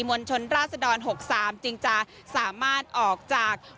มวลชนราศดร๖๓จึงจะสามารถออกจาก